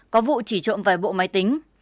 có vụ chỉ trộm vài bộ máy tính